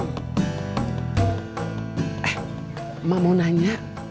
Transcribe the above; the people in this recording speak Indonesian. eh emak mau nanya